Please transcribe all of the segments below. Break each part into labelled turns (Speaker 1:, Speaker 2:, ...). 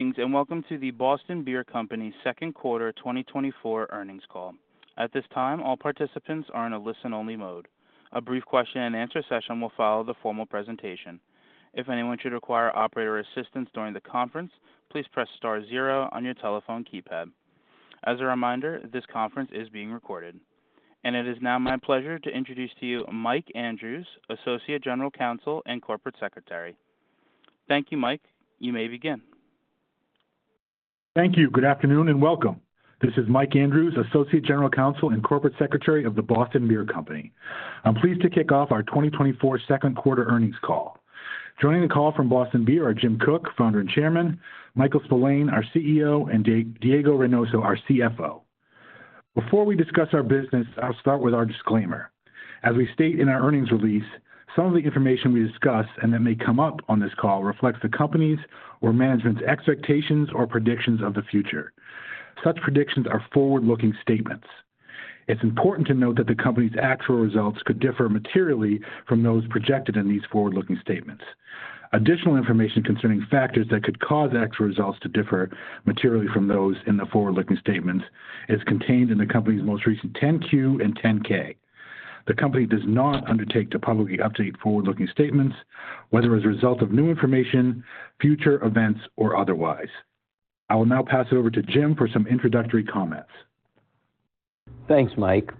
Speaker 1: Welcome to the Boston Beer Company second quarter 2024 earnings call. At this time, all participants are in a listen-only mode. A brief question-and-answer session will follow the formal presentation. If anyone should require operator assistance during the conference, please press star zero on your telephone keypad. As a reminder, this conference is being recorded. It is now my pleasure to introduce to you Mike Andrews, Associate General Counsel and Corporate Secretary. Thank you, Mike. You may begin.
Speaker 2: Thank you. Good afternoon, and welcome. This is Mike Andrews, Associate General Counsel and Corporate Secretary of The Boston Beer Company. I'm pleased to kick off our 2024 second quarter earnings call. Joining the call from Boston Beer are Jim Koch, Founder and Chairman, Michael Spillane, our CEO, and Diego Reynoso, our CFO. Before we discuss our business, I'll start with our disclaimer. As we state in our earnings release, some of the information we discuss and that may come up on this call reflects the company's or management's expectations or predictions of the future. Such predictions are forward-looking statements. It's important to note that the company's actual results could differ materially from those projected in these forward-looking statements. Additional information concerning factors that could cause actual results to differ materially from those in the forward-looking statements is contained in the company's most recent 10-Q and 10-K. The company does not undertake to publicly update forward-looking statements, whether as a result of new information, future events, or otherwise. I will now pass it over to Jim for some introductory comments.
Speaker 3: Thanks, Mike.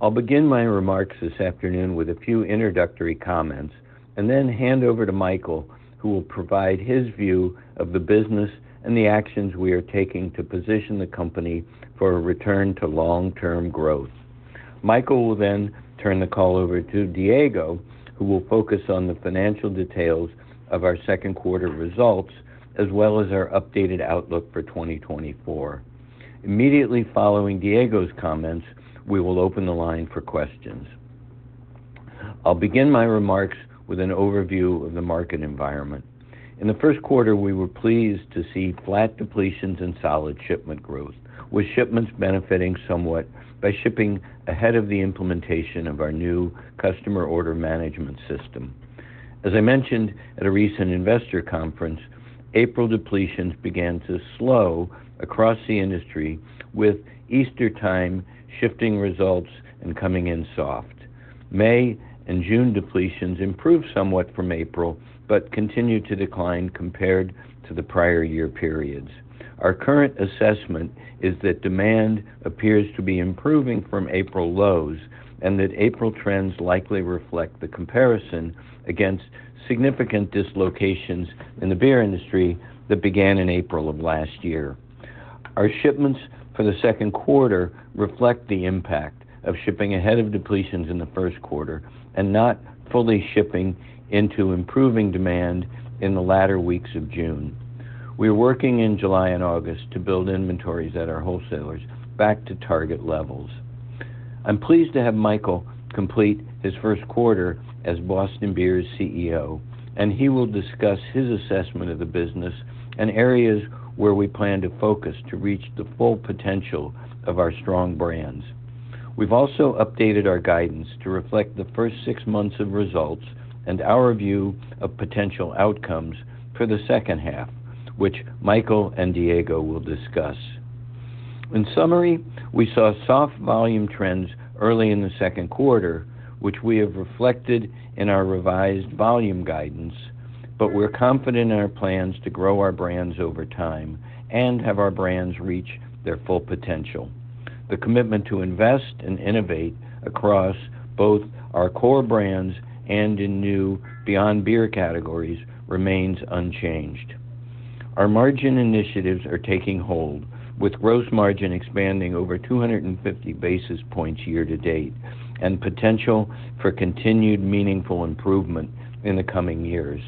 Speaker 3: I'll begin my remarks this afternoon with a few introductory comments and then hand over to Michael, who will provide his view of the business and the actions we are taking to position the company for a return to long-term growth. Michael will then turn the call over to Diego, who will focus on the financial details of our second quarter results, as well as our updated outlook for 2024. Immediately following Diego's comments, we will open the line for questions. I'll begin my remarks with an overview of the market environment. In the first quarter, we were pleased to see flat depletions and solid shipment growth, with shipments benefiting somewhat by shipping ahead of the implementation of our new customer order management system. As I mentioned at a recent investor conference, April depletions began to slow across the industry, with Easter time shifting results and coming in soft. May and June depletions improved somewhat from April, but continued to decline compared to the prior year periods. Our current assessment is that demand appears to be improving from April lows, and that April trends likely reflect the comparison against significant dislocations in the beer industry that began in April of last year. Our shipments for the second quarter reflect the impact of shipping ahead of depletions in the first quarter and not fully shipping into improving demand in the latter weeks of June. We're working in July and August to build inventories at our wholesalers back to target levels. I'm pleased to have Michael complete his first quarter as Boston Beer's CEO, and he will discuss his assessment of the business and areas where we plan to focus to reach the full potential of our strong brands. We've also updated our guidance to reflect the first six months of results and our view of potential outcomes for the second half, which Michael and Diego will discuss. In summary, we saw soft volume trends early in the second quarter, which we have reflected in our revised volume guidance, but we're confident in our plans to grow our brands over time and have our brands reach their full potential. The commitment to invest and innovate across both our core brands and in new beyond beer categories remains unchanged. Our margin initiatives are taking hold, with gross margin expanding over 250 basis points year to date, and potential for continued meaningful improvement in the coming years.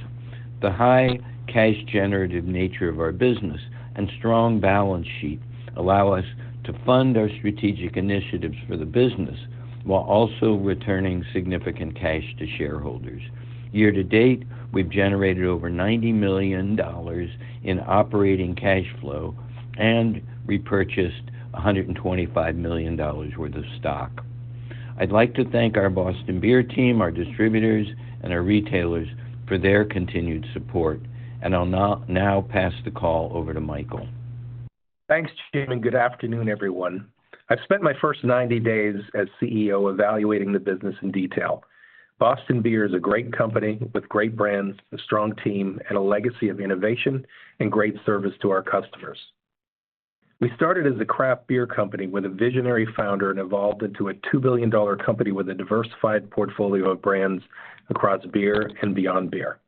Speaker 3: The high cash generative nature of our business and strong balance sheet allow us to fund our strategic initiatives for the business, while also returning significant cash to shareholders. Year to date, we've generated over $90 million in operating cash flow and repurchased $125 million worth of stock. I'd like to thank our Boston Beer team, our distributors, and our retailers for their continued support, and I'll now pass the call over to Michael.
Speaker 4: Thanks, Jim, and good afternoon, everyone. I've spent my first 90 days as CEO evaluating the business in detail. Boston Beer is a great company with great brands, a strong team, and a legacy of innovation and great service to our customers. We started as a craft beer company with a visionary founder and evolved into a $2 billion company with a diversified portfolio of brands across beer and beyond beer.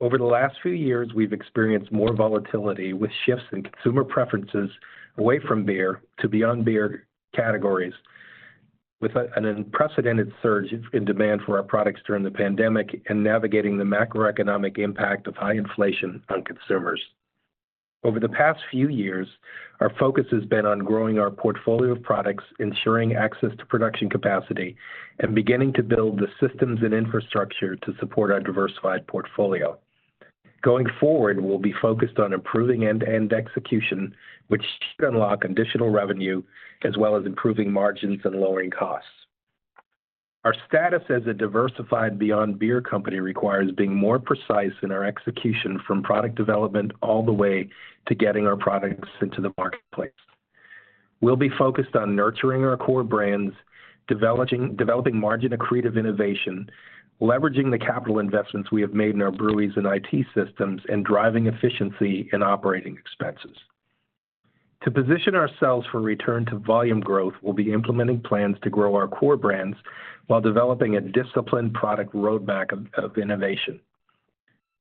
Speaker 4: Over the last few years, we've experienced more volatility, with shifts in consumer preferences away from beer to beyond beer categories, with an unprecedented surge in demand for our products during the pandemic and navigating the macroeconomic impact of high inflation on consumers. Over the past few years, our focus has been on growing our portfolio of products, ensuring access to production capacity, and beginning to build the systems and infrastructure to support our diversified portfolio. Going forward, we'll be focused on improving end-to-end execution, which should unlock additional revenue, as well as improving margins and lowering costs. Our status as a diversified beyond beer company requires being more precise in our execution from product development all the way to getting our products into the marketplace. We'll be focused on nurturing our core brands, developing margin accretive innovation, leveraging the capital investments we have made in our breweries and IT systems, and driving efficiency in operating expenses. To position ourselves for return to volume growth, we'll be implementing plans to grow our core brands while developing a disciplined product roadmap of innovation.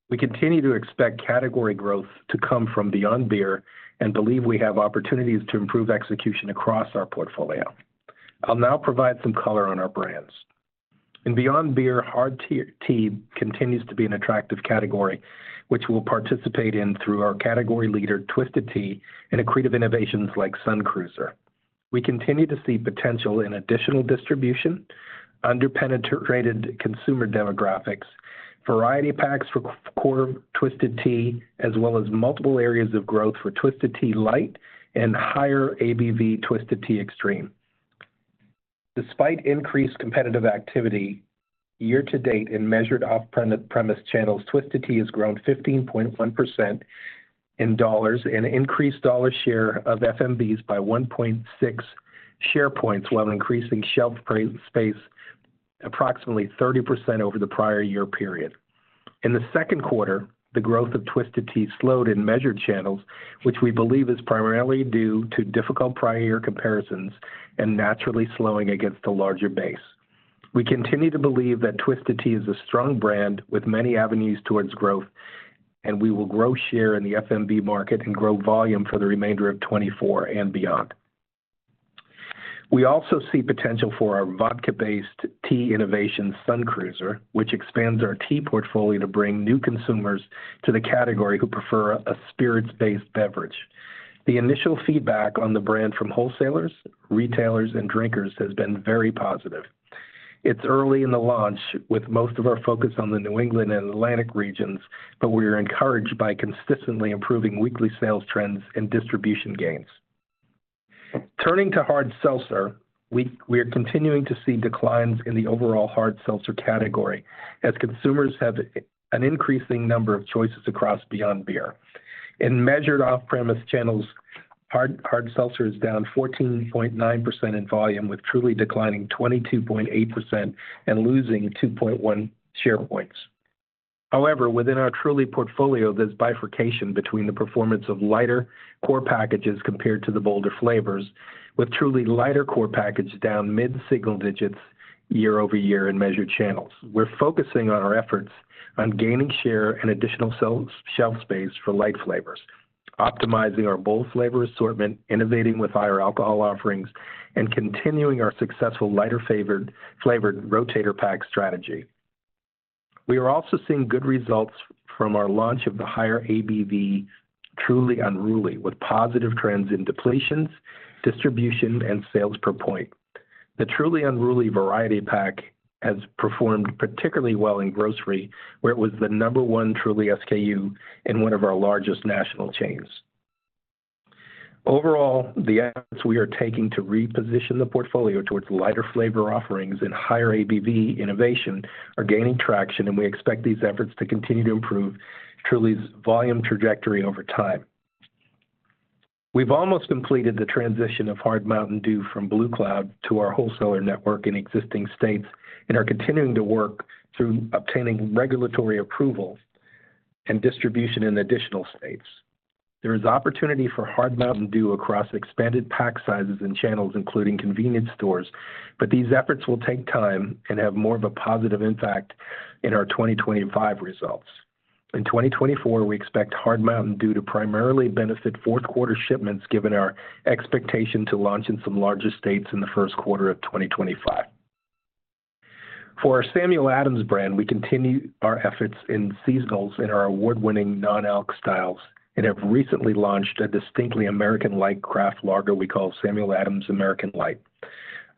Speaker 4: We continue to expect category growth to come from beyond beer and believe we have opportunities to improve execution across our portfolio. I'll now provide some color on our brands. In Beyond Beer, hard tea continues to be an attractive category, which we'll participate in through our category leader, Twisted Tea, and accretive innovations like Sun Cruiser. We continue to see potential in additional distribution, underpenetrated consumer demographics, variety packs for core Twisted Tea, as well as multiple areas of growth for Twisted Tea Light and higher ABV Twisted Tea Extreme. Despite increased competitive activity, year-to-date in measured off-premise channels, Twisted Tea has grown 15.1% in dollars and increased dollar share of FMBs by 1.6 share points, while increasing shelf space approximately 30% over the prior year period. In the second quarter, the growth of Twisted Tea slowed in measured channels, which we believe is primarily due to difficult prior year comparisons and naturally slowing against a larger base. We continue to believe that Twisted Tea is a strong brand with many avenues towards growth, and we will grow share in the FMB market and grow volume for the remainder of 2024 and beyond. We also see potential for our vodka-based tea innovation, Sun Cruiser, which expands our tea portfolio to bring new consumers to the category who prefer a spirits-based beverage. The initial feedback on the brand from wholesalers, retailers, and drinkers has been very positive. It's early in the launch, with most of our focus on the New England and Atlantic regions, but we are encouraged by consistently improving weekly sales trends and distribution gains. Turning to hard seltzer, we are continuing to see declines in the overall hard seltzer category as consumers have an increasing number of choices across beyond beer. In measured off-premise channels, hard seltzer is down 14.9% in volume, with Truly declining 22.8% and losing 2.1 share points. However, within our Truly portfolio, there's bifurcation between the performance of lighter core packages compared to the bolder flavors, with Truly lighter core package down mid-single digits year-over-year in measured channels. We're focusing on our efforts on gaining share and additional shelf space for light flavors, optimizing our bold flavor assortment, innovating with higher alcohol offerings, and continuing our successful lighter flavored rotator pack strategy. We are also seeing good results from our launch of the higher ABV Truly Unruly, with positive trends in depletions, distribution, and sales per point. The Truly Unruly variety pack has performed particularly well in grocery, where it was the number one Truly SKU in one of our largest national chains. Overall, the actions we are taking to reposition the portfolio towards lighter flavor offerings and higher ABV innovation are gaining traction, and we expect these efforts to continue to improve Truly's volume trajectory over time. We've almost completed the transition of Hard MTN DEW from Blue Cloud to our wholesaler network in existing states and are continuing to work through obtaining regulatory approvals and distribution in additional states. There is opportunity for Hard MTN DEW across expanded pack sizes and channels, including convenience stores, but these efforts will take time and have more of a positive impact in our 2025 results. In 2024, we expect Hard MTN DEW to primarily benefit fourth quarter shipments, given our expectation to launch in some larger states in the first quarter of 2025. For our Samuel Adams brand, we continue our efforts in seasonals in our award-winning non-alc styles and have recently launched a distinctly American light craft lager we call Samuel Adams American Light.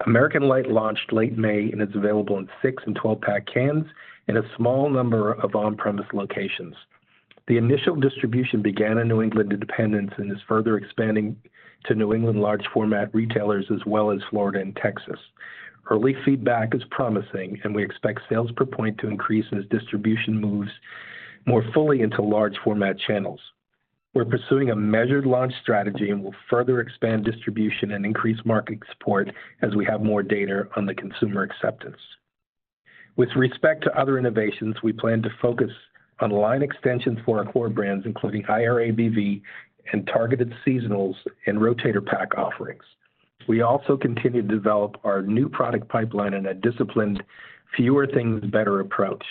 Speaker 4: American Light launched late May and is available in 6- and 12-pack cans in a small number of on-premise locations. The initial distribution began in New England independents and is further expanding to New England large format retailers as well as Florida and Texas. Early feedback is promising, and we expect sales per point to increase as distribution moves more fully into large format channels. We're pursuing a measured launch strategy and will further expand distribution and increase market support as we have more data on the consumer acceptance. With respect to other innovations, we plan to focus on line extensions for our core brands, including higher ABV and targeted seasonals and rotator pack offerings. We also continue to develop our new product pipeline in a disciplined, fewer things, better approach.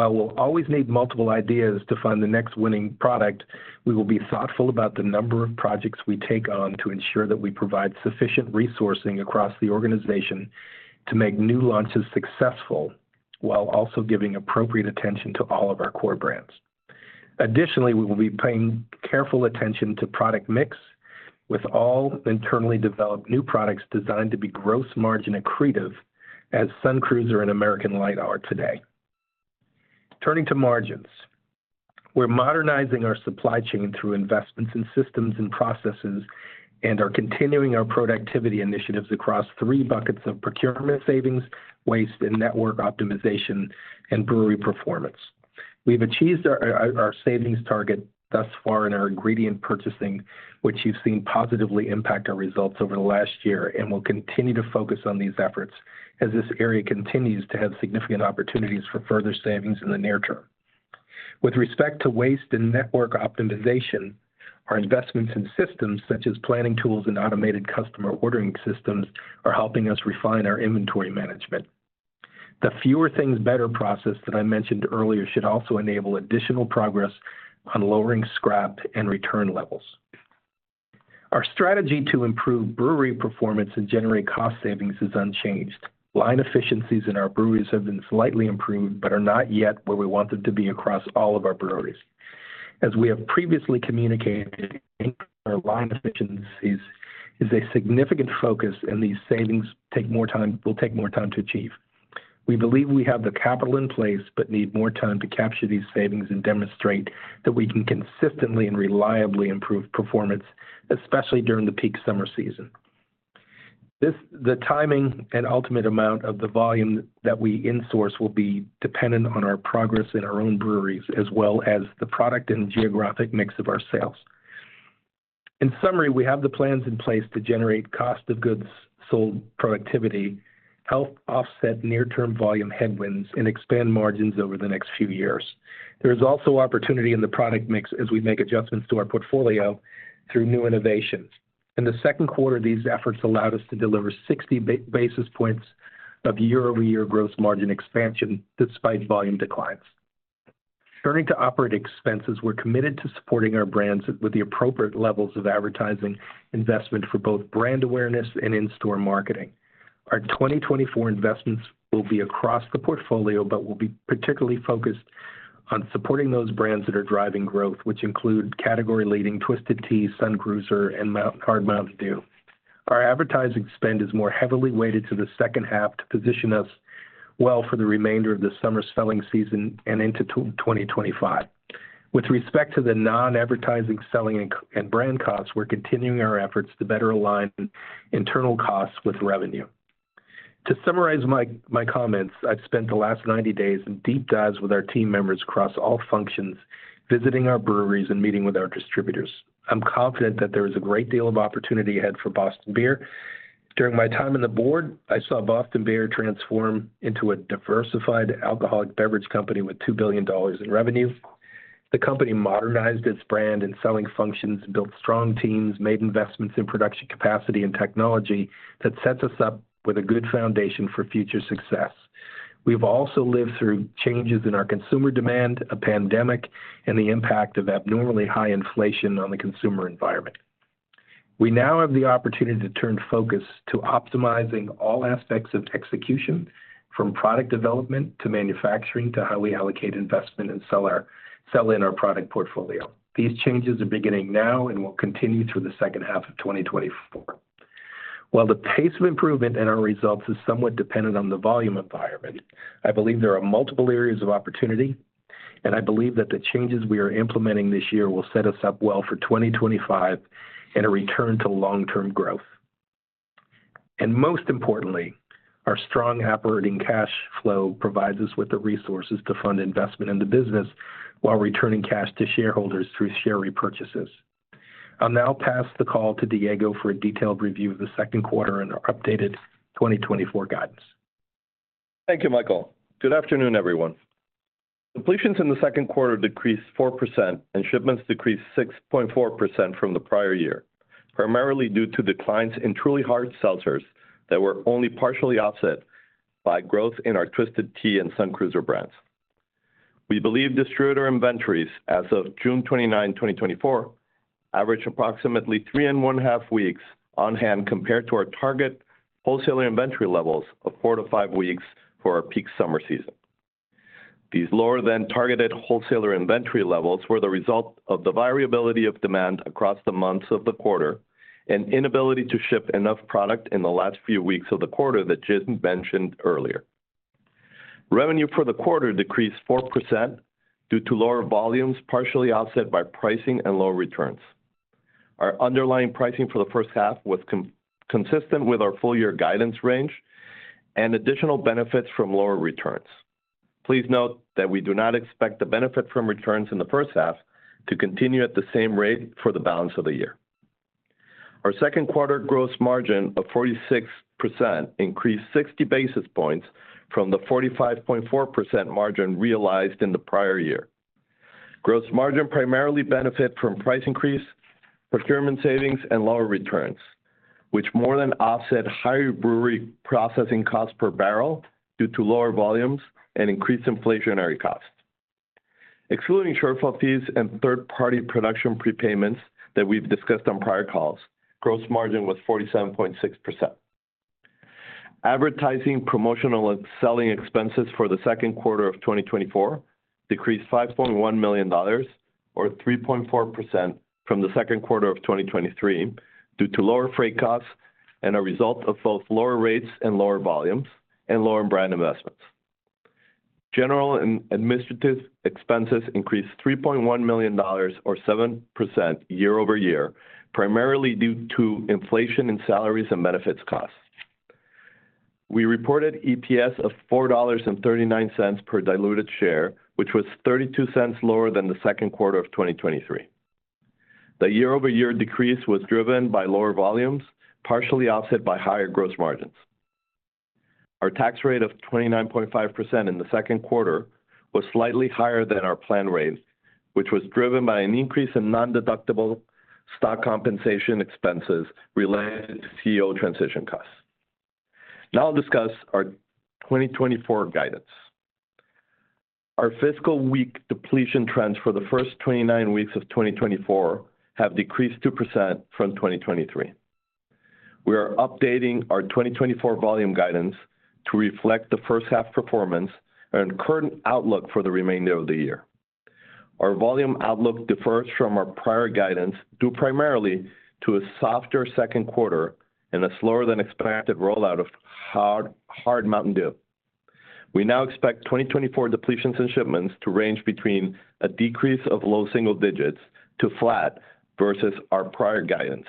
Speaker 4: While we'll always need multiple ideas to find the next winning product, we will be thoughtful about the number of projects we take on to ensure that we provide sufficient resourcing across the organization to make new launches successful, while also giving appropriate attention to all of our core brands. Additionally, we will be paying careful attention to product mix with all internally developed new products designed to be gross margin accretive, as Sun Cruiser and American Light are today. Turning to margins. We're modernizing our supply chain through investments in systems and processes, and are continuing our productivity initiatives across three buckets of procurement savings, waste, and network optimization, and brewery performance. We've achieved our, our savings target thus far in our ingredient purchasing, which you've seen positively impact our results over the last year, and will continue to focus on these efforts as this area continues to have significant opportunities for further savings in the near term. With respect to waste and network optimization, our investments in systems, such as planning tools and automated customer ordering systems, are helping us refine our inventory management. The fewer things better process that I mentioned earlier, should also enable additional progress on lowering scrap and return levels. Our strategy to improve brewery performance and generate cost savings is unchanged. Line efficiencies in our breweries have been slightly improved, but are not yet where we want them to be across all of our breweries. As we have previously communicated, our line efficiencies is a significant focus, and these savings will take more time to achieve. We believe we have the capital in place, but need more time to capture these savings and demonstrate that we can consistently and reliably improve performance, especially during the peak summer season. The timing and ultimate amount of the volume that we insource will be dependent on our progress in our own breweries, as well as the product and geographic mix of our sales. In summary, we have the plans in place to generate cost of goods sold productivity, help offset near-term volume headwinds, and expand margins over the next few years. There is also opportunity in the product mix as we make adjustments to our portfolio through new innovations. In the second quarter, these efforts allowed us to deliver 60 basis points of year-over-year gross margin expansion, despite volume declines. Turning to operating expenses, we're committed to supporting our brands with the appropriate levels of advertising investment for both brand awareness and in-store marketing. Our 2024 investments will be across the portfolio, but will be particularly focused on supporting those brands that are driving growth, which include category-leading Twisted Tea, Sun Cruiser, and Hard MTN DEW. Our advertising spend is more heavily weighted to the second half to position us well for the remainder of the summer selling season and into 2025. With respect to the non-advertising selling and brand costs, we're continuing our efforts to better align internal costs with revenue. To summarize my comments, I've spent the last 90 days in deep dives with our team members across all functions, visiting our breweries and meeting with our distributors. I'm confident that there is a great deal of opportunity ahead for Boston Beer. During my time on the board, I saw Boston Beer transform into a diversified alcoholic beverage company with $2 billion in revenue. The company modernized its brand and selling functions, built strong teams, made investments in production capacity and technology that sets us up with a good foundation for future success. We've also lived through changes in our consumer demand, a pandemic, and the impact of abnormally high inflation on the consumer environment. We now have the opportunity to turn focus to optimizing all aspects of execution, from product development to manufacturing, to how we allocate investment and sell in our product portfolio. These changes are beginning now and will continue through the second half of 2024. While the pace of improvement in our results is somewhat dependent on the volume environment, I believe there are multiple areas of opportunity, and I believe that the changes we are implementing this year will set us up well for 2025 and a return to long-term growth. Most importantly, our strong operating cash flow provides us with the resources to fund investment in the business while returning cash to shareholders through share repurchases. I'll now pass the call to Diego for a detailed review of the second quarter and our updated 2024 guidance.
Speaker 5: Thank you, Michael. Good afternoon, everyone. Depletions in the second quarter decreased 4%, and shipments decreased 6.4% from the prior year, primarily due to declines in Truly Hard Seltzer that were only partially offset by growth in our Twisted Tea and Sun Cruiser brands. We believe distributor inventories as of June 29, 2024, averaged approximately 3.5 weeks on hand, compared to our target wholesaler inventory levels of four to five weeks for our peak summer season. These lower-than-targeted wholesaler inventory levels were the result of the variability of demand across the months of the quarter, and inability to ship enough product in the last few weeks of the quarter that Jim mentioned earlier. Revenue for the quarter decreased 4% due to lower volumes, partially offset by pricing and lower returns. Our underlying pricing for the first half was consistent with our full year guidance range and additional benefits from lower returns. Please note that we do not expect the benefit from returns in the first half to continue at the same rate for the balance of the year. Our second quarter gross margin of 46% increased 60 basis points from the 45.4% margin realized in the prior year. Gross margin primarily benefit from price increase, procurement savings, and lower returns, which more than offset higher brewery processing costs per barrel due to lower volumes and increased inflationary costs. Excluding shortfall fees and third-party production prepayments that we've discussed on prior calls, gross margin was 47.6%. Advertising, promotional, and selling expenses for the second quarter of 2024 decreased $5.1 million or 3.4% from the second quarter of 2023, due to lower freight costs and a result of both lower rates and lower volumes and lower brand investments. General and administrative expenses increased $3.1 million, or 7% year-over-year, primarily due to inflation in salaries and benefits costs. We reported EPS of $4.39 per diluted share, which was $0.32 lower than the second quarter of 2023. The year-over-year decrease was driven by lower volumes, partially offset by higher gross margins. Our tax rate of 29.5% in the second quarter was slightly higher than our planned rate, which was driven by an increase in nondeductible stock compensation expenses related to CEO transition costs. Now I'll discuss our 2024 guidance. Our fiscal week depletion trends for the first 29 weeks of 2024 have decreased 2% from 2023. We are updating our 2024 volume guidance to reflect the first half performance and current outlook for the remainder of the year. Our volume outlook differs from our prior guidance, due primarily to a softer second quarter and a slower-than-expected rollout of Hard MTN DEW. We now expect 2024 depletions and shipments to range between a decrease of low single digits to flat versus our prior guidance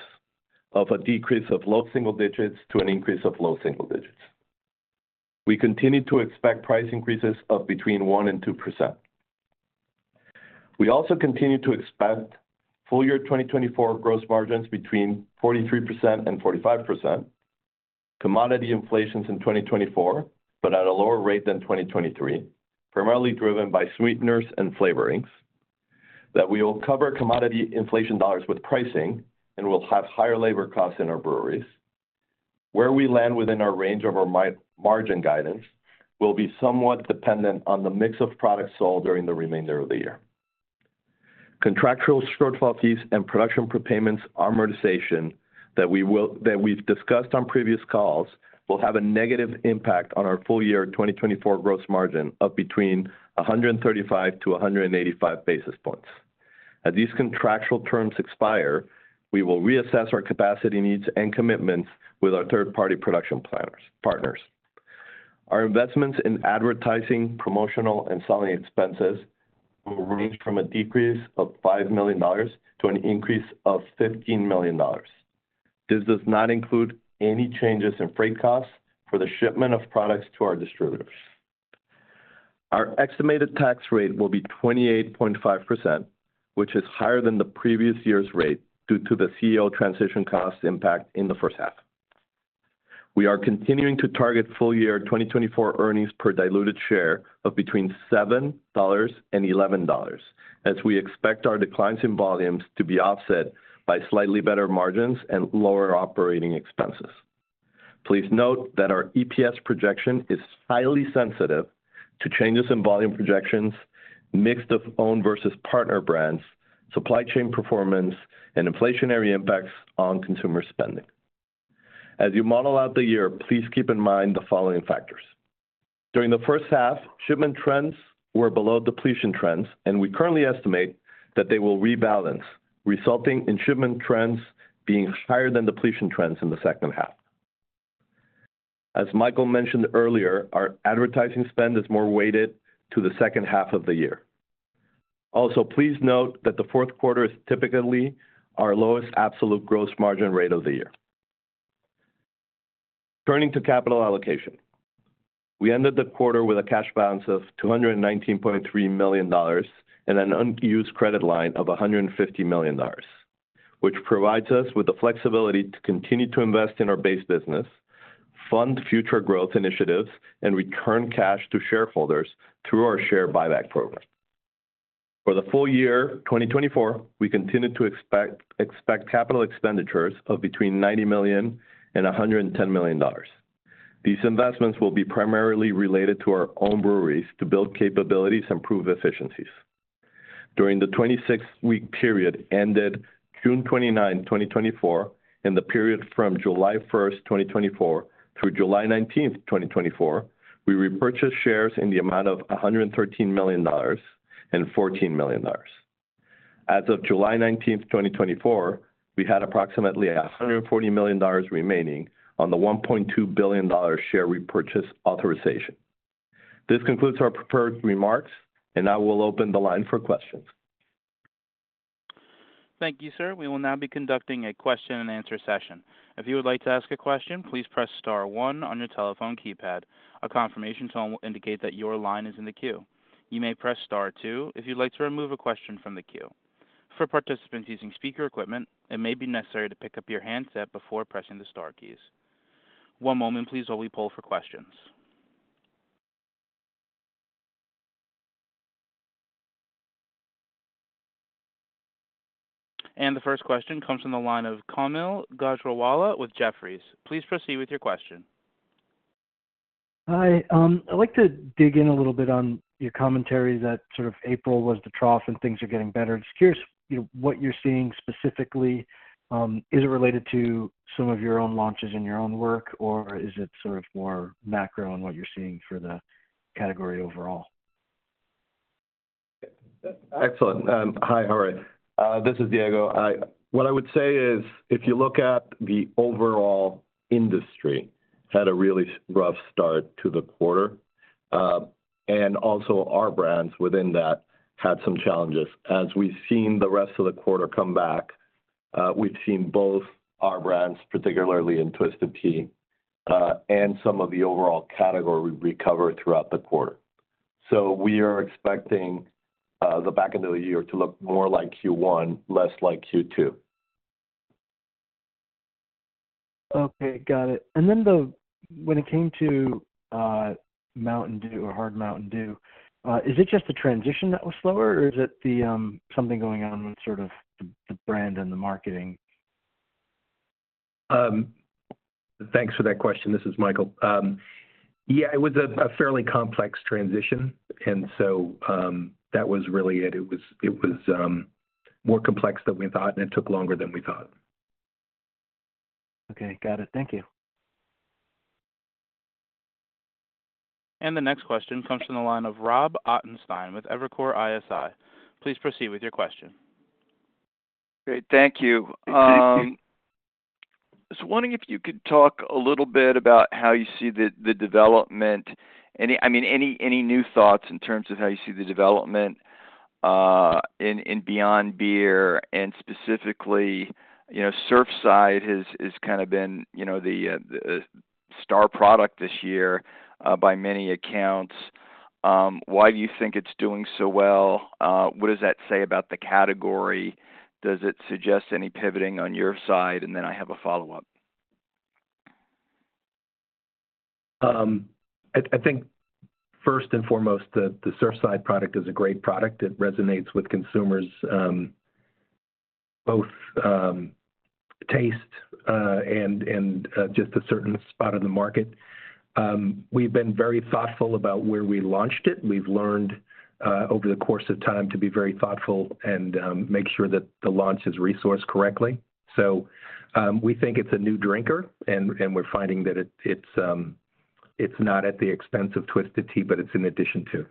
Speaker 5: of a decrease of low single digits to an increase of low single digits. We continue to expect price increases of between 1% and 2%. We also continue to expect full year 2024 gross margins between 43% and 45%. Commodity inflation in 2024, but at a lower rate than 2023, primarily driven by sweeteners and flavorings, that we will cover commodity inflation dollars with pricing and will have higher labor costs in our breweries. Where we land within our range of our margin guidance will be somewhat dependent on the mix of products sold during the remainder of the year. Contractual shortfall fees and production prepayments amortization that we've discussed on previous calls, will have a negative impact on our full-year 2024 gross margin of between 135 basis points-185 basis points. As these contractual terms expire, we will reassess our capacity needs and commitments with our third-party production partners. Our investments in advertising, promotional, and selling expenses will range from a decrease of $5 million to an increase of $15 million. This does not include any changes in freight costs for the shipment of products to our distributors. Our estimated tax rate will be 28.5%, which is higher than the previous year's rate due to the CEO transition cost impact in the first half. We are continuing to target full year 2024 earnings per diluted share of between $7 and $11, as we expect our declines in volumes to be offset by slightly better margins and lower operating expenses. Please note that our EPS projection is highly sensitive to changes in volume projections, mix of own versus partner brands, supply chain performance, and inflationary impacts on consumer spending. As you model out the year, please keep in mind the following factors. During the first half, shipment trends were below depletion trends, and we currently estimate that they will rebalance, resulting in shipment trends being higher than depletion trends in the second half. As Michael mentioned earlier, our advertising spend is more weighted to the second half of the year. Also, please note that the fourth quarter is typically our lowest absolute gross margin rate of the year. Turning to capital allocation. We ended the quarter with a cash balance of $219.3 million and an unused credit line of $150 million, which provides us with the flexibility to continue to invest in our base business, fund future growth initiatives, and return cash to shareholders through our share buyback program. For the full year 2024, we continue to expect capital expenditures of between $90 million and $110 million. These investments will be primarily related to our own breweries to build capabilities and improve efficiencies. During the 26-week period ended June 29, 2024, and the period from July 1, 2024, through July 19, 2024, we repurchased shares in the amount of $113 million and $14 million. As of July 19, 2024, we had approximately $140 million remaining on the $1.2 billion share repurchase authorization. This concludes our prepared remarks, and now we'll open the line for questions.
Speaker 1: Thank you, sir. We will now be conducting a question-and-answer session. If you would like to ask a question, please press star one on your telephone keypad. A confirmation tone will indicate that your line is in the queue. You may press star two if you'd like to remove a question from the queue. For participants using speaker equipment, it may be necessary to pick up your handset before pressing the star keys. One moment, please, while we poll for questions. The first question comes from the line of Kaumil Gajrawala with Jefferies. Please proceed with your question.
Speaker 6: Hi, I'd like to dig in a little bit on your commentary that sort of April was the trough and things are getting better. Just curious, you know, what you're seeing specifically, is it related to some of your own launches in your own work, or is it sort of more macro on what you're seeing for the category overall?
Speaker 5: Excellent. Hi, how are you? This is Diego. What I would say is, if you look at the overall industry, had a really rough start to the quarter. And also our brands within that had some challenges. As we've seen the rest of the quarter come back, we've seen both our brands, particularly in Twisted Tea, and some of the overall category recover throughout the quarter. So we are expecting, the back end of the year to look more like Q1, less like Q2.
Speaker 6: Okay, got it. And then, when it came to Mountain Dew or Hard MTN DEW, is it just the transition that was slower, or is it the something going on with sort of the brand and the marketing?
Speaker 4: Thanks for that question. This is Michael. Yeah, it was a fairly complex transition, and so that was really it. It was more complex than we thought, and it took longer than we thought.
Speaker 6: Okay. Got it. Thank you.
Speaker 1: The next question comes from the line of Rob Ottenstein with Evercore ISI. Please proceed with your question.
Speaker 7: Great. Thank you. I was wondering if you could talk a little bit about how you see the, the development. I mean, any new thoughts in terms of how you see the development, in Beyond Beer, and specifically, you know, Surfside has kind of been, you know, the star product this year, by many accounts. Why do you think it's doing so well? What does that say about the category? Does it suggest any pivoting on your side? And then I have a follow-up.
Speaker 4: I think first and foremost, the Surfside product is a great product. It resonates with consumers, both taste and just a certain spot in the market. We've been very thoughtful about where we launched it. We've learned over the course of time to be very thoughtful and make sure that the launch is resourced correctly. So, we think it's a new drinker, and we're finding that it's not at the expense of Twisted Tea, but it's in addition to.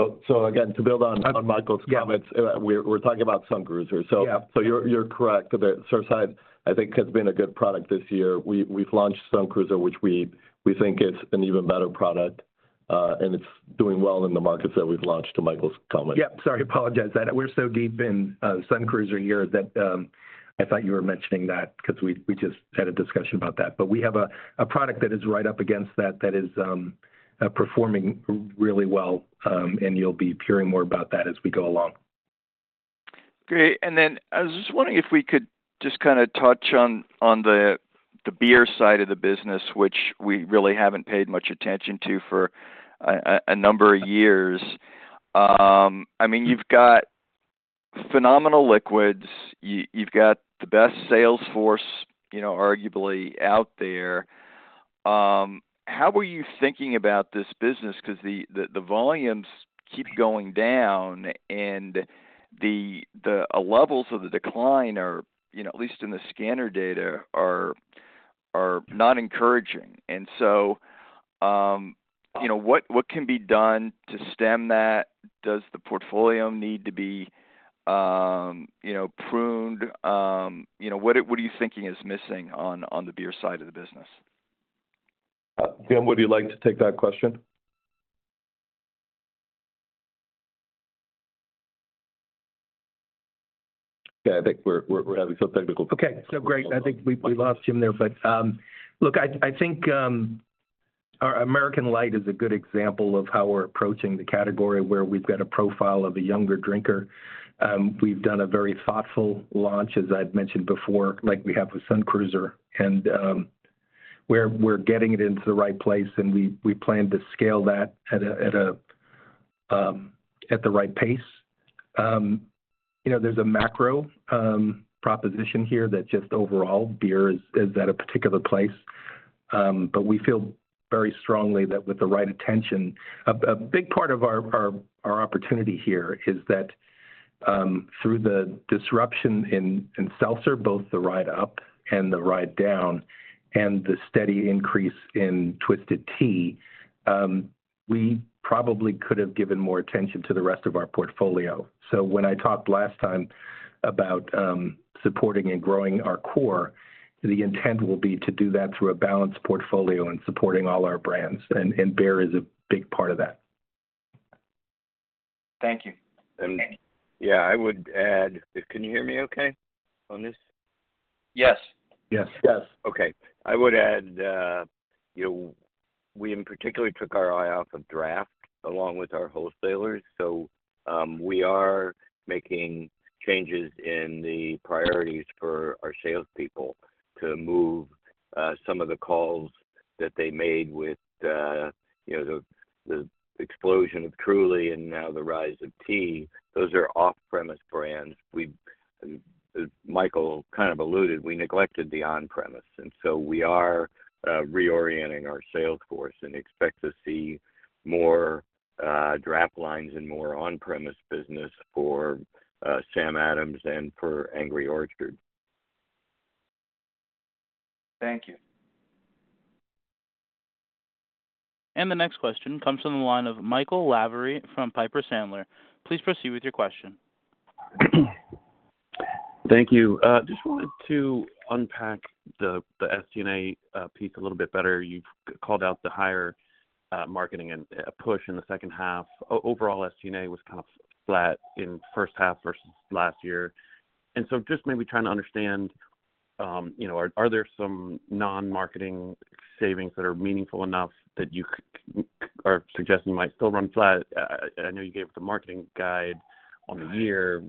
Speaker 5: Oh, so again, to build on Michael's-
Speaker 4: Yeah...
Speaker 5: comments, we're talking about Sun Cruiser.
Speaker 4: Yeah.
Speaker 5: So you're correct that Surfside, I think, has been a good product this year. We've launched Sun Cruiser, which we think it's an even better product, and it's doing well in the markets that we've launched, to Michael's comment.
Speaker 4: Yep. Sorry, apologize. That we're so deep in Sun Cruiser here that I thought you were mentioning that 'cause we just had a discussion about that. But we have a product that is right up against that, that is performing really well, and you'll be hearing more about that as we go along.
Speaker 7: Great. And then I was just wondering if we could just kind of touch on the beer side of the business, which we really haven't paid much attention to for a number of years. I mean, you've got phenomenal liquids. You've got the best sales force, you know, arguably out there. How are you thinking about this business? 'Cause the volumes keep going down, and the levels of the decline are, you know, at least in the scanner data, are not encouraging. And so, you know, what can be done to stem that? Does the portfolio need to be, you know, pruned? You know, what are you thinking is missing on the beer side of the business?
Speaker 5: Jim, would you like to take that question? Yeah, I think we're having some technical-
Speaker 4: Okay. So great. I think we lost Jim there, but look, I think our American Light is a good example of how we're approaching the category, where we've got a profile of a younger drinker. We've done a very thoughtful launch, as I'd mentioned before, like we have with Sun Cruiser, and we're getting it into the right place, and we plan to scale that at the right pace. You know, there's a macro proposition here that just overall beer is at a particular place. But we feel very strongly that with the right attention... A big part of our opportunity here is that through the disruption in seltzer, both the ride up and the ride down, and the steady increase in Twisted Tea, we probably could have given more attention to the rest of our portfolio. So when I talked last time about supporting and growing our core, the intent will be to do that through a balanced portfolio and supporting all our brands, and beer is a big part of that.
Speaker 7: Thank you.
Speaker 8: Yeah, I would add... Can you hear me okay on this?
Speaker 7: Yes.
Speaker 5: Yes.
Speaker 4: Yes.
Speaker 8: Okay. I would add, you know, we in particularly took our eye off of draft, along with our wholesalers. So, we are making changes in the priorities for our salespeople to move, some of the calls that they made with, you know, the, the explosion of Truly and now the rise of tea. Those are off-premise brands. We, as Michael kind of alluded, we neglected the on-premise, and so we are, reorienting our sales force and expect to see more, draft lines and more on-premise business for, Sam Adams and for Angry Orchard.
Speaker 7: Thank you.
Speaker 1: The next question comes from the line of Michael Lavery from Piper Sandler. Please proceed with your question.
Speaker 9: Thank you. Just wanted to unpack the SG&A piece a little bit better. You've called out the higher marketing and push in the second half. Overall, SG&A was kind of flat in first half versus last year. And so just maybe trying to understand, you know, are there some non-marketing savings that are meaningful enough that you are suggesting might still run flat? I know you gave the marketing guide on the year.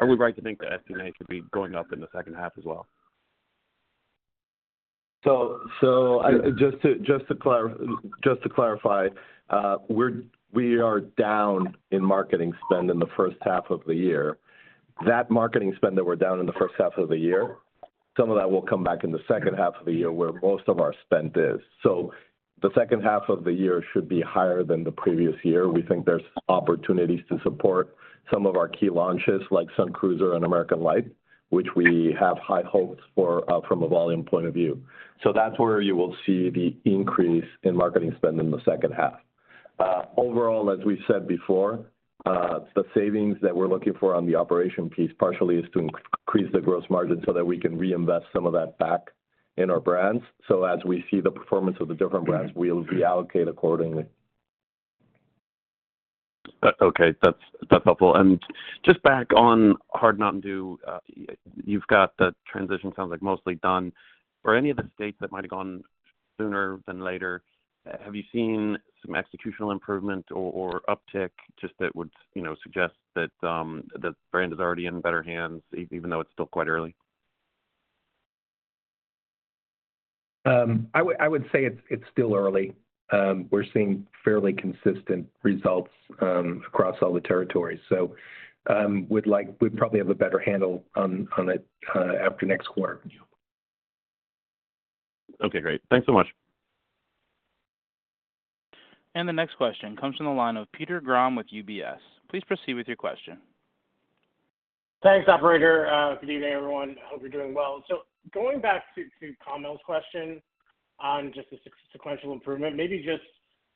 Speaker 9: Are we right to think that SG&A could be going up in the second half as well?
Speaker 5: So, just to clarify, we're down in marketing spend in the first half of the year. That marketing spend that we're down in the first half of the year, some of that will come back in the second half of the year, where most of our spend is. So the second half of the year should be higher than the previous year. We think there's opportunities to support some of our key launches, like Sun Cruiser and American Light, which we have high hopes for, from a volume point of view. So that's where you will see the increase in marketing spend in the second half. Overall, as we said before, the savings that we're looking for on the operation piece partially is to increase the gross margin so that we can reinvest some of that back in our brands. So as we see the performance of the different brands, we'll reallocate accordingly.
Speaker 9: Okay, that's, that's helpful. And just back on Hard MTN DEW, you've got the transition, sounds like, mostly done. For any of the states that might have gone sooner than later, have you seen some executional improvement or, or uptick, just that would, you know, suggest that, the brand is already in better hands, even though it's still quite early?
Speaker 4: I would say it's still early. We're seeing fairly consistent results across all the territories. So, we'd probably have a better handle on it after next quarter.
Speaker 9: Okay, great. Thanks so much.
Speaker 1: The next question comes from the line of Peter Grom with UBS. Please proceed with your question.
Speaker 10: Thanks, operator. Good evening, everyone. I hope you're doing well. So going back to Kamil's question on just the sequential improvement, maybe just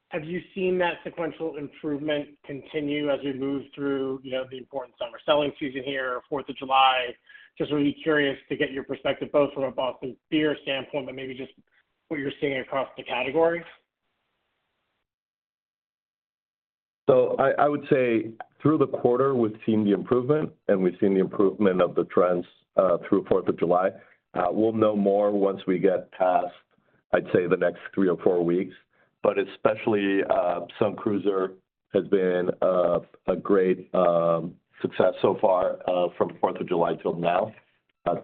Speaker 10: have you seen that sequential improvement continue as we move through, you know, the important summer selling season here, Fourth of July? Just really curious to get your perspective, both from a Boston Beer standpoint, but maybe just what you're seeing across the category.
Speaker 5: So I would say through the quarter, we've seen the improvement, and we've seen the improvement of the trends, through Fourth of July. We'll know more once we get past, I'd say, the next three or four weeks. But especially, Sun Cruiser has been, a great, success so far, from Fourth of July till now.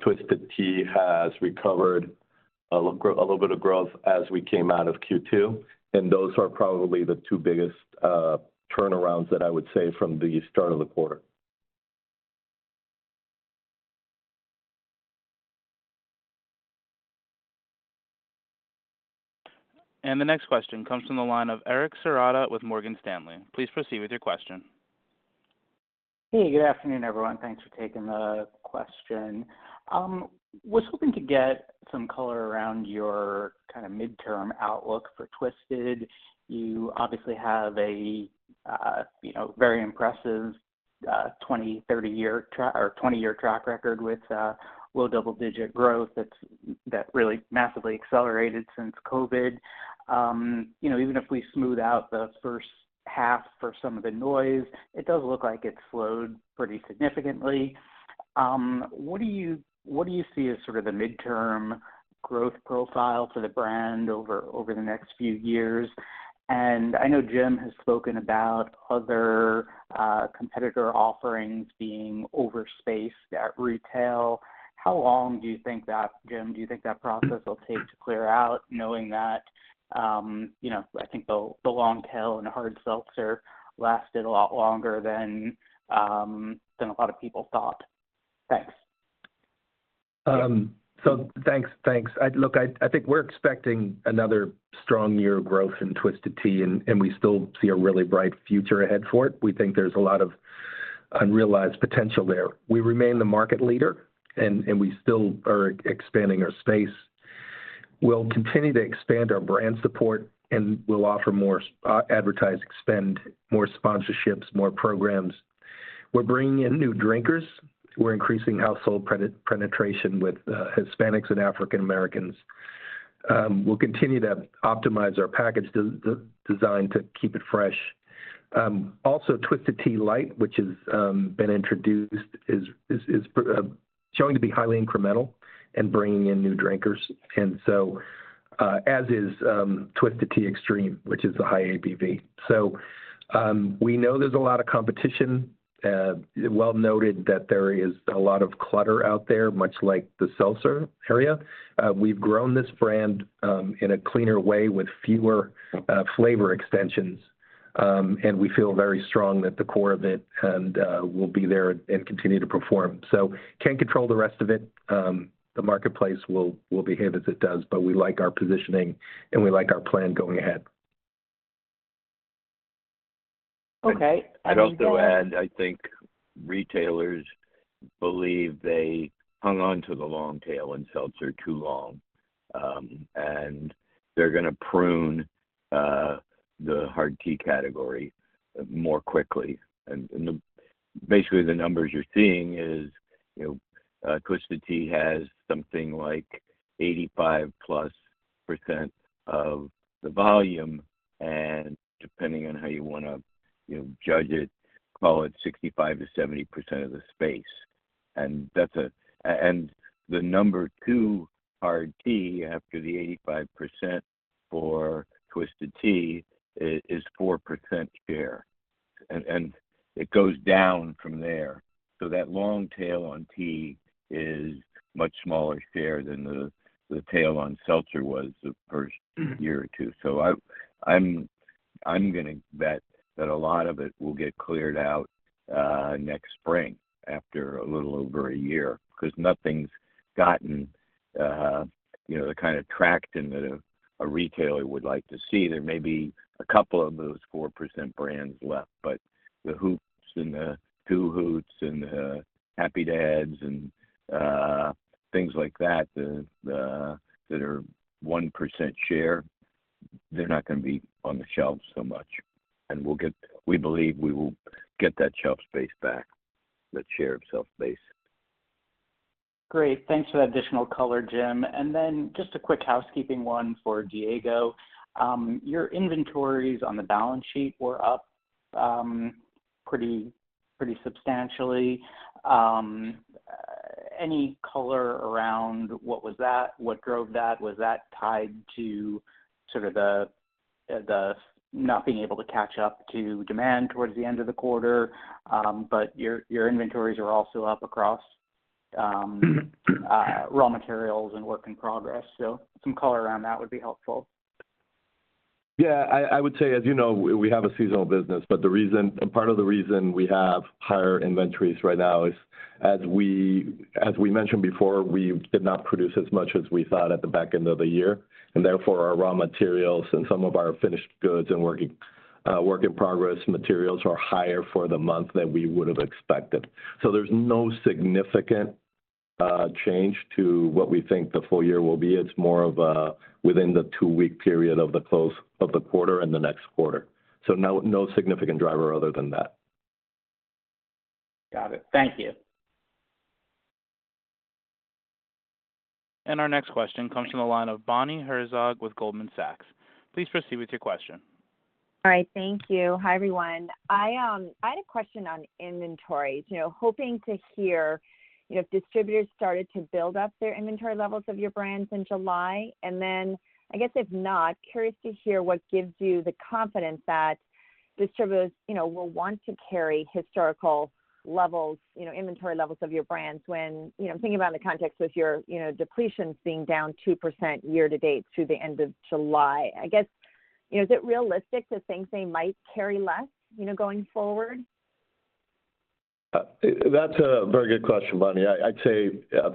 Speaker 5: Twisted Tea has recovered a little bit of growth as we came out of Q2, and those are probably the two biggest, turnarounds that I would say from the start of the quarter.
Speaker 1: The next question comes from the line of Eric Serotta with Morgan Stanley. Please proceed with your question.
Speaker 11: Hey, good afternoon, everyone. Thanks for taking the question. Was hoping to get some color around your kinda midterm outlook for Twisted. You obviously have a, you know, very impressive, 20, 30 year or 20-year track record with low double-digit growth that's that really massively accelerated since COVID. You know, even if we smooth out the first half for some of the noise, it does look like it slowed pretty significantly. What do you see as sort of the midterm growth profile for the brand over the next few years? And I know Jim has spoken about other competitor offerings being overspaced at retail. How long do you think that, Jim, do you think that process will take to clear out, knowing that, you know, I think the long tail in the hard seltzer lasted a lot longer than a lot of people thought? Thanks.
Speaker 4: So thanks, thanks. Look, I think we're expecting another strong year of growth in Twisted Tea, and we still see a really bright future ahead for it. We think there's a lot of unrealized potential there. We remain the market leader, and we still are expanding our space. We'll continue to expand our brand support, and we'll offer more advertising spend, more sponsorships, more programs. We're bringing in new drinkers. We're increasing household penetration with Hispanics and African Americans. We'll continue to optimize our package design to keep it fresh. Also, Twisted Tea Light, which has been introduced, is showing to be highly incremental and bringing in new drinkers, and so as is Twisted Tea Extreme, which is the high ABV. So, we know there's a lot of competition, well noted that there is a lot of clutter out there, much like the seltzer area. We've grown this brand in a cleaner way with fewer flavor extensions, and we feel very strong at the core of it, and we'll be there and continue to perform. So can't control the rest of it. The marketplace will behave as it does, but we like our positioning, and we like our plan going ahead.
Speaker 11: Okay, I mean, the-
Speaker 8: I'll go ahead, I think retailers believe they hung on to the long tail in seltzer too long. And they're gonna prune the hard tea category more quickly. And basically, the numbers you're seeing is, you know, Twisted Tea has something like 85%+ of the volume, and depending on how you wanna, you know, judge it, call it 65%-70% of the space. And that's and the number two hard tea after the 85% for Twisted Tea is 4% share, and it goes down from there. So that long tail on tea is much smaller share than the tail on seltzer was the first-
Speaker 11: Mm-hmm...
Speaker 3: year or two. So I'm gonna bet that a lot of it will get cleared out, next spring, after a little over a year, 'cause nothing's gotten, you know, the kind of traction that a retailer would like to see. There may be a couple of those 4% brands left, but the Hoops and the 2 Hoots and the Happy Dads and, things like that, that are 1% share, they're not gonna be on the shelves so much. And we'll get... We believe we will get that shelf space back, that share of shelf space.
Speaker 11: Great! Thanks for that additional color, Jim. And then just a quick housekeeping one for Diego. Your inventories on the balance sheet were up pretty substantially. Any color around what was that? What drove that? Was that tied to sort of the not being able to catch up to demand towards the end of the quarter? But your inventories are also up across raw materials and work in progress. So some color around that would be helpful.
Speaker 5: Yeah, I would say, as you know, we have a seasonal business, but the reason—and part of the reason we have higher inventories right now is, as we mentioned before, we did not produce as much as we thought at the back end of the year, and therefore, our raw materials and some of our finished goods and working, work in progress materials are higher for the month than we would have expected. So there's no significant change to what we think the full year will be. It's more of a, within the two-week period of the close of the quarter and the next quarter. So no, no significant driver other than that.
Speaker 11: Got it. Thank you.
Speaker 1: Our next question comes from the line of Bonnie Herzog with Goldman Sachs. Please proceed with your question.
Speaker 12: All right, thank you. Hi, everyone. I had a question on inventories. You know, hoping to hear, you know, if distributors started to build up their inventory levels of your brands in July? And then, I guess if not, curious to hear what gives you the confidence that distributors, you know, will want to carry historical levels, you know, inventory levels of your brands when... You know, I'm thinking about in the context with your, you know, depletions being down 2% year to date through the end of July. I guess, you know, is it realistic to think they might carry less, you know, going forward?
Speaker 5: That's a very good question, Bonnie. I'd say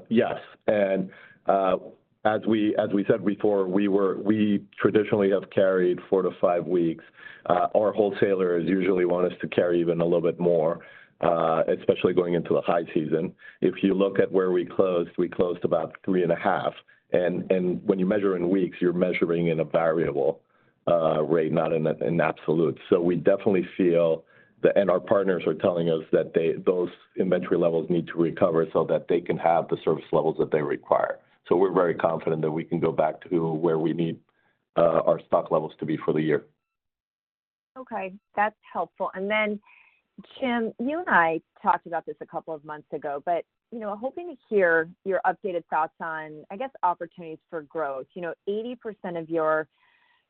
Speaker 5: yes, and as we said before, we traditionally have carried four to five weeks. Our wholesalers usually want us to carry even a little bit more, especially going into a high season. If you look at where we closed, we closed about three and a half, and when you measure in weeks, you're measuring in a variable rate, not in absolute. So we definitely feel. And our partners are telling us that those inventory levels need to recover so that they can have the service levels that they require. So we're very confident that we can go back to where we need our stock levels to be for the year.
Speaker 12: Okay, that's helpful. And then, Jim, you and I talked about this a couple of months ago, but, you know, hoping to hear your updated thoughts on, I guess, opportunities for growth. You know, 80% of your,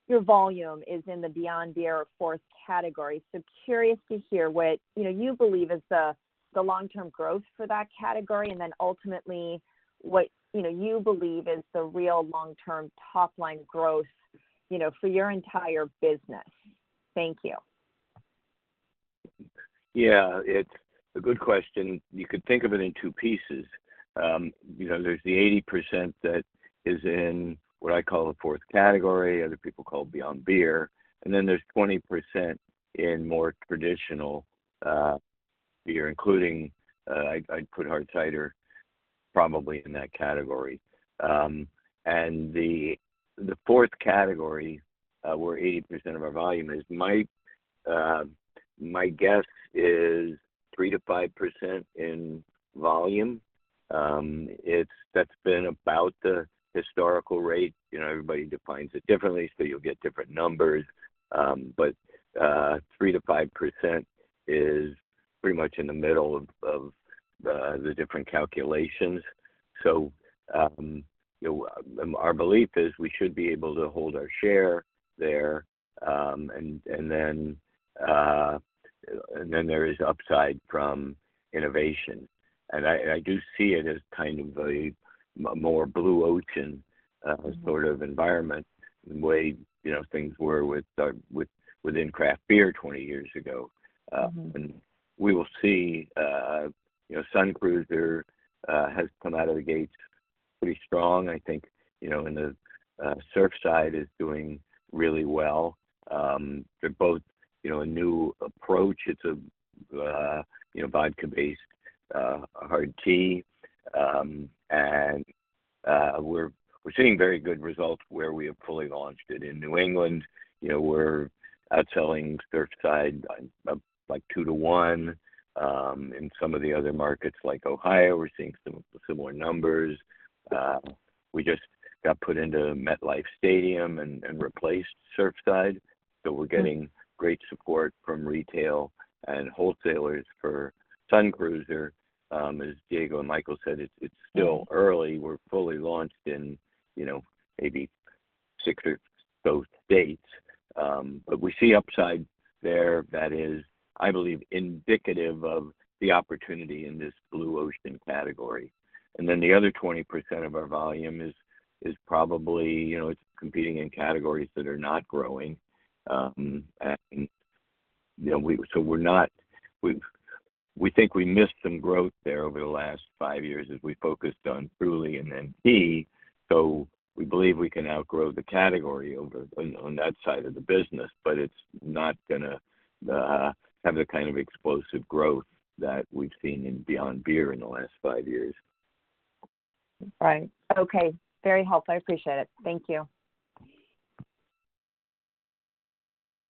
Speaker 12: your volume is in the Beyond Beer fourth category. So curious to hear what, you know, you believe is the, the long-term growth for that category, and then ultimately, what, you know, you believe is the real long-term top-line growth, you know, for your entire business. Thank you.
Speaker 3: Yeah, it's a good question. You could think of it in two pieces. You know, there's the 80% that is in what I call the fourth category, other people call Beyond Beer, and then there's 20% in more traditional beer, including I, I'd put hard cider probably in that category. And the fourth category, where 80% of our volume is, my guess is 3%-5% in volume. It's. That's been about the historical rate. You know, everybody defines it differently, so you'll get different numbers. But, 3%-5% is pretty much in the middle of the different calculations. So, you know, our belief is we should be able to hold our share there, and then there is upside from innovation. I do see it as kind of a more blue ocean sort of environment, the way, you know, things were within craft beer 20 years ago.
Speaker 12: Mm-hmm.
Speaker 8: And we will see, you know, Sun Cruiser has come out of the gates pretty strong, I think, you know, and the Surfside is doing really well. They're both, you know, a new approach. It's a, you know, vodka-based hard tea. And we're seeing very good results where we have fully launched it. In New England, you know, we're outselling Surfside, like 2-to-1. In some of the other markets like Ohio, we're seeing similar numbers. We just got put into MetLife Stadium and replaced Surfside. So we're getting great support from retail and wholesalers for Sun Cruiser. As Diego and Michael said, it's still early. We're fully launched in, you know, maybe six or so states. But we see upside there that is, I believe, indicative of the opportunity in this blue ocean category. And then the other 20% of our volume is probably, you know, it's competing in categories that are not growing. And, you know, we think we missed some growth there over the last five years as we focused on Truly and then tea, so we believe we can outgrow the category on that side of the business, but it's not gonna have the kind of explosive growth that we've seen in Beyond Beer in the last five years.
Speaker 12: Right. Okay. Very helpful. I appreciate it. Thank you.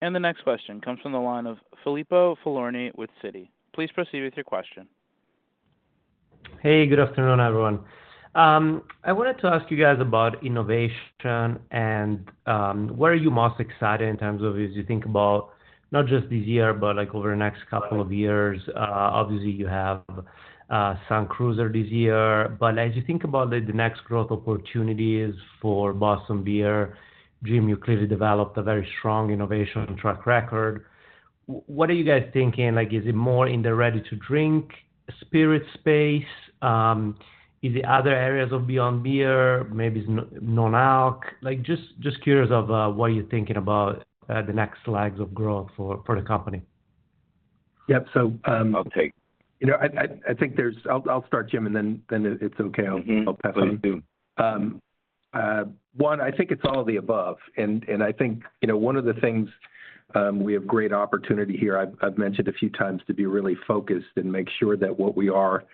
Speaker 1: The next question comes from the line of Filippo Falorni with Citi. Please proceed with your question.
Speaker 13: Hey, good afternoon, everyone. I wanted to ask you guys about innovation and what are you most excited in terms of as you think about not just this year, but, like, over the next couple of years? Obviously, you have Sun Cruiser this year, but as you think about the next growth opportunities for Boston Beer, Jim, you clearly developed a very strong innovation track record. What are you guys thinking? Like, is it more in the ready-to-drink spirit space? Is it other areas of Beyond Beer, maybe non-alc? Like, just curious of what you're thinking about the next legs of growth for the company.
Speaker 4: Yep. So,
Speaker 3: I'll take it.
Speaker 4: You know, I think there's... I'll start, Jim, and then, if it's okay, I'll pass on.
Speaker 3: Mm-hmm. Please do.
Speaker 4: One, I think it's all of the above, and I think, you know, one of the things, we have great opportunity here. I've mentioned a few times to be really focused and make sure that what we are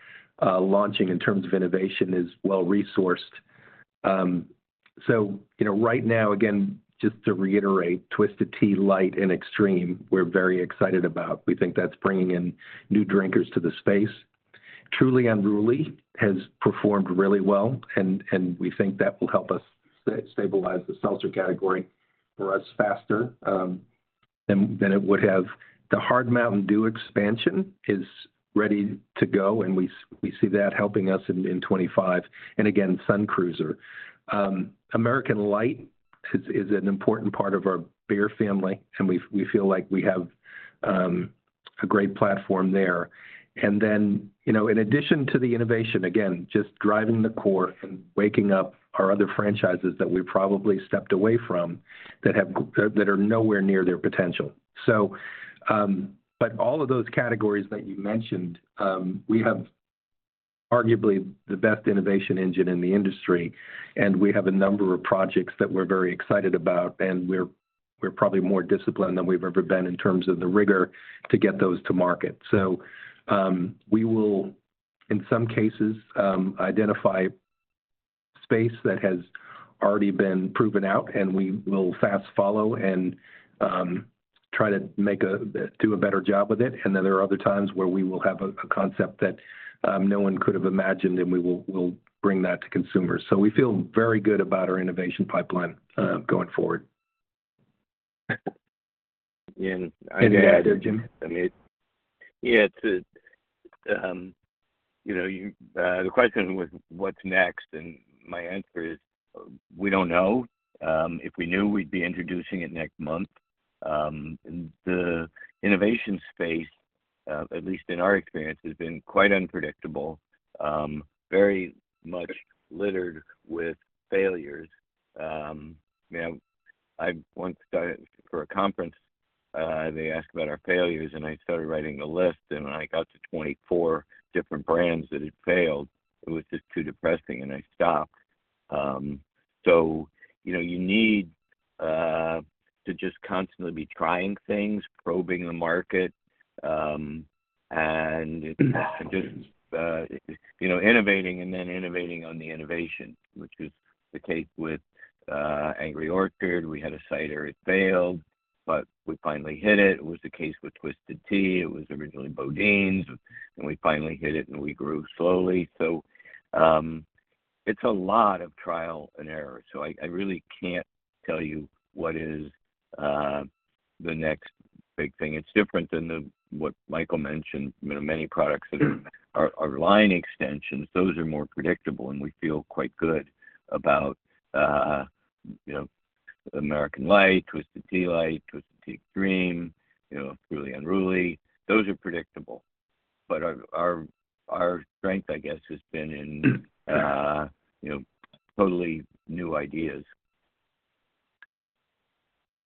Speaker 4: launching in terms of innovation is well-resourced. So you know, right now, again, just to reiterate, Twisted Tea Light and Extreme, we're very excited about. We think that's bringing in new drinkers to the space. Truly Unruly has performed really well, and we think that will help us stabilize the seltzer category for us faster than it would have. The Hard MTN DEW expansion is ready to go, and we see that helping us in 2025, and again, Sun Cruiser. American Light is an important part of our beer family, and we feel like we have a great platform there. And then, you know, in addition to the innovation, again, just driving the core and waking up our other franchises that we probably stepped away from, that are nowhere near their potential. So, but all of those categories that you mentioned, we have arguably the best innovation engine in the industry, and we have a number of projects that we're very excited about, and we're probably more disciplined than we've ever been in terms of the rigor to get those to market. So, we will, in some cases, identify space that has already been proven out, and we will fast follow and, try to make a, do a better job with it. And then there are other times where we will have a concept that no one could have imagined, and we'll bring that to consumers. So we feel very good about our innovation pipeline going forward.
Speaker 8: Yeah, and I-
Speaker 4: Anything to add, Jim?
Speaker 8: I mean, yeah, you know, you, the question was what's next? And my answer is: We don't know. If we knew, we'd be introducing it next month. The innovation space, at least in our experience, has been quite unpredictable, very much littered with failures. You know, I once got, for a conference, they asked about our failures, and I started writing a list, and I got to 24 different brands that had failed. It was just too depressing, and I stopped. So, you know, you need, to just constantly be trying things, probing the market, and, you know, innovating and then innovating on the innovation, which was the case with, Angry Orchard. We had a cider, it failed, but we finally hit it. It was the case with Twisted Tea. It was originally BoDeans, and we finally hit it, and we grew slowly. So, it's a lot of trial and error, so I really can't tell you what is the next big thing. It's different than what Michael mentioned. You know, many products that are line extensions, those are more predictable, and we feel quite good about, you know, American Light, Twisted Tea Light, Twisted Tea Extreme, you know, Truly Unruly. Those are predictable, but our strength, I guess, has been in, you know, totally new ideas.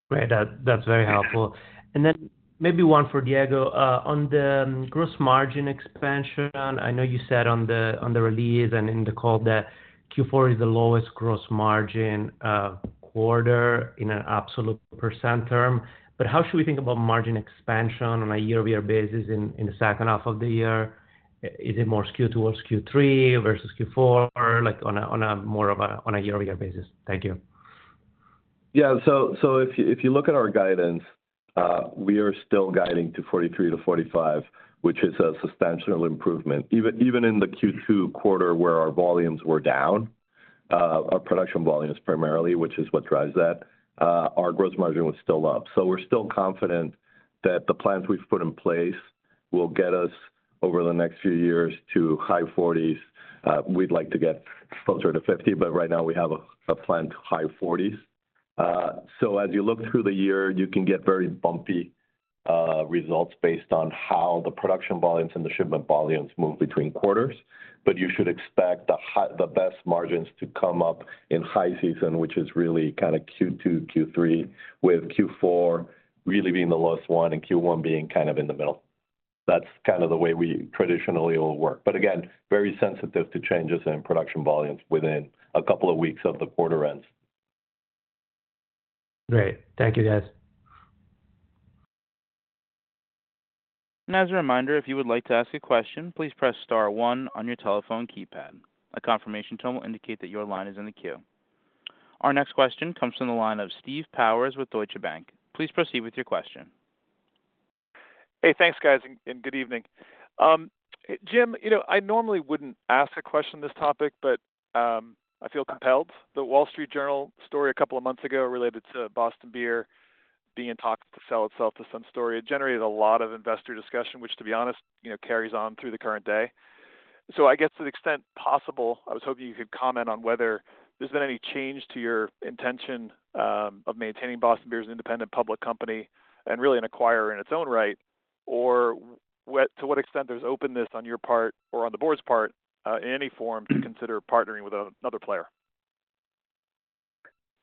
Speaker 13: Great, that, that's very helpful. And then maybe one for Diego. On the gross margin expansion, I know you said on the, on the release and in the call that Q4 is the lowest gross margin, quarter in an absolute percent term. But how should we think about margin expansion on a year-over-year basis in, in the second half of the year? Is it more skewed towards Q3 versus Q4? Or like, on a, on a more of a, on a year-over-year basis? Thank you.
Speaker 4: Yeah, so, so if you, if you look at our guidance, we are still guiding to 43%-45%, which is a substantial improvement. Even, even in the Q2 quarter, where our volumes were down, our production volumes primarily, which is what drives that, our gross margin was still up. So we're still confident that the plans we've put in place will get us over the next few years to high 40s. We'd like to get closer to 50%, but right now we have a, a planned high 40s. As you look through the year, you can get very bumpy results based on how the production volumes and the shipment volumes move between quarters, but you should expect the best margins to come up in high season, which is really kind of Q2, Q3, with Q4 really being the lowest one and Q1 being kind of in the middle. That's kind of the way we traditionally will work, but again, very sensitive to changes in production volumes within a couple of weeks of the quarter ends.
Speaker 13: Great. Thank you, guys.
Speaker 1: As a reminder, if you would like to ask a question, please press star one on your telephone keypad. A confirmation tone will indicate that your line is in the queue. Our next question comes from the line of Steve Powers with Deutsche Bank. Please proceed with your question.
Speaker 14: Hey, thanks, guys, and good evening. Jim, you know, I normally wouldn't ask a question on this topic, but I feel compelled. The Wall Street Journal story a couple of months ago related to Boston Beer being in talks to sell itself to some suitor. It generated a lot of investor discussion, which, to be honest, you know, carries on through the current day. So I guess, to the extent possible, I was hoping you could comment on whether there's been any change to your intention of maintaining Boston Beer as an independent public company and really an acquirer in its own right, or to what extent there's openness on your part or on the board's part, in any form, to consider partnering with another player?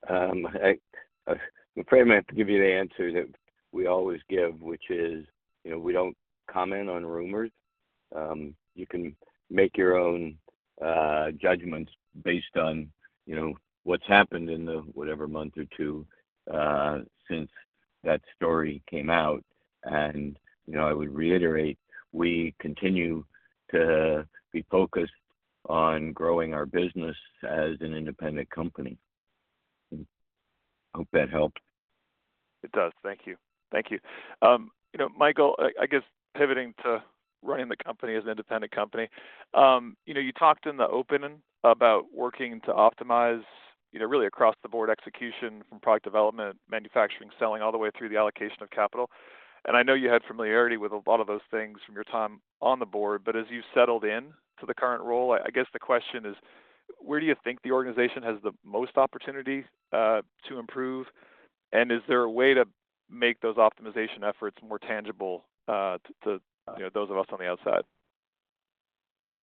Speaker 8: I'm afraid I'm gonna have to give you the answer that we always give, which is, you know, we don't comment on rumors. You can make your own judgments based on, you know, what's happened in the whatever month or two since that story came out. You know, I would reiterate, we continue to be focused on growing our business as an independent company. Hope that helped.
Speaker 14: It does. Thank you. Thank you. You know, Michael, I guess pivoting to running the company as an independent company, you know, you talked in the opening about working to optimize, you know, really across the board execution from product development, manufacturing, selling, all the way through the allocation of capital. And I know you had familiarity with a lot of those things from your time on the board, but as you settled in to the current role, I guess the question is: Where do you think the organization has the most opportunity to improve? And is there a way to make those optimization efforts more tangible to those of us on the outside?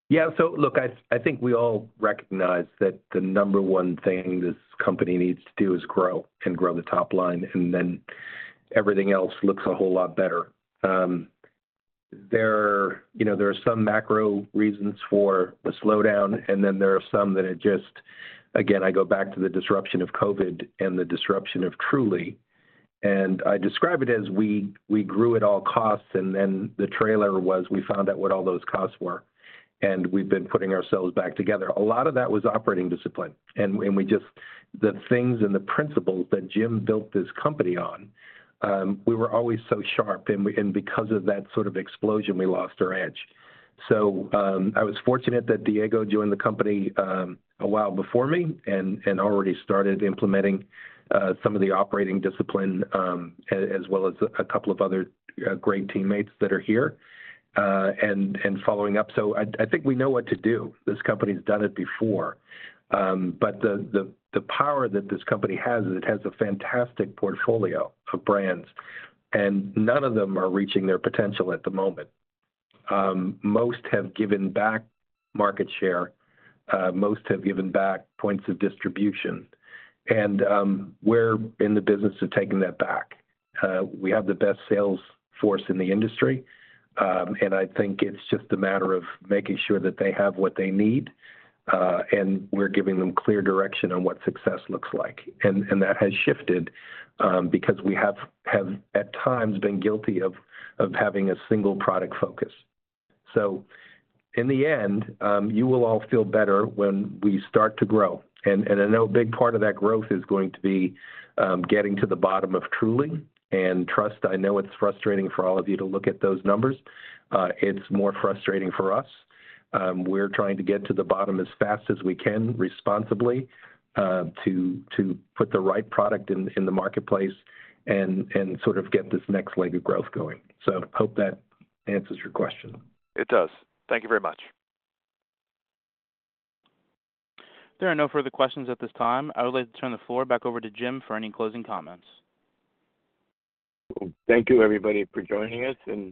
Speaker 4: Yeah. So look, I think we all recognize that the number one thing this company needs to do is grow and grow the top line, and then everything else looks a whole lot better. There are, you know, there are some macro reasons for the slowdown, and then there are some that are just... Again, I go back to the disruption of COVID and the disruption of Truly, and I describe it as we grew at all costs, and then the trailer was we found out what all those costs were, and we've been putting ourselves back together. A lot of that was operating discipline, and we just- the things and the principles that Jim built this company on, we were always so sharp, and because of that sort of explosion, we lost our edge. So, I was fortunate that Diego joined the company a while before me and already started implementing some of the operating discipline as well as a couple of other great teammates that are here and following up. So I think we know what to do. This company's done it before. But the power that this company has is it has a fantastic portfolio of brands, and none of them are reaching their potential at the moment. Most have given back market share, most have given back points of distribution, and we're in the business of taking that back. We have the best sales force in the industry, and I think it's just a matter of making sure that they have what they need, and we're giving them clear direction on what success looks like. And that has shifted, because we have at times been guilty of having a single product focus. So in the end, you will all feel better when we start to grow, and I know a big part of that growth is going to be getting to the bottom of Truly. And trust, I know it's frustrating for all of you to look at those numbers. It's more frustrating for us. We're trying to get to the bottom as fast as we can, responsibly, to put the right product in the marketplace and sort of get this next leg of growth going. So I hope that answers your question.
Speaker 14: It does. Thank you very much.
Speaker 1: There are no further questions at this time. I would like to turn the floor back over to Jim for any closing comments.
Speaker 8: Well, thank you, everybody, for joining us, and-